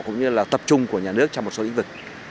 cũng như là tập trung của nhà nước trong một số lĩnh vực